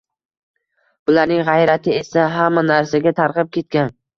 Bularning g‘ayrati esa hamma narsaga tarqab ketgan.